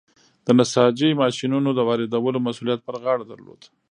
د نساجۍ ماشینونو د واردولو مسوولیت پر غاړه درلود.